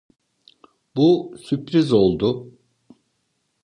Bu sürpriz oldu.